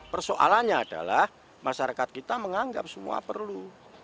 persoalannya adalah masyarakat kita menganggap semua perlu